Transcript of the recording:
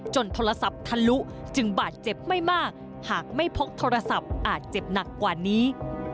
โทรศัพท์ทะลุจึงบาดเจ็บไม่มากหากไม่พกโทรศัพท์อาจเจ็บหนักกว่านี้